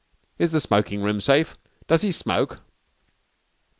Is the smoking room safe? Does he smoke?"